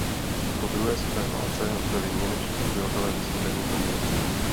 Po druhé světové válce byli němečtí obyvatelé vysídleni do Německa.